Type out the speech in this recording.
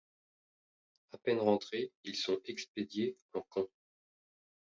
À peine rentrés, ils sont expédiés en camp.